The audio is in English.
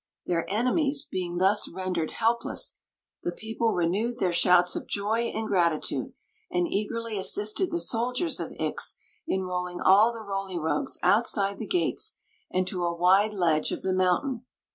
Their enemies being thus rendered helpless, the people renewed their shouts of joy and gratitude, and eagerly assisted the soldiers of Ix in rolling all the Roly Rogues outside the gates and to a wide ledge of the mountain.